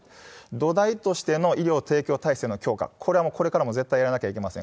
土台としての医療提供体制の強化、これはこれからも絶対やらなきゃいけません。